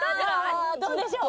ああどうでしょう？